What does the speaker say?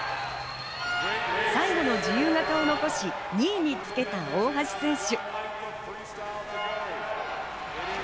最後の自由形を残し２位につけた大橋選手。